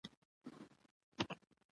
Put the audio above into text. افغانستان کې د انګور د پرمختګ هڅې روانې دي.